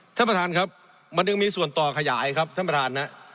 ท่านประธานครับมันยังมีส่วนต่อขยายครับท่านประธานนะ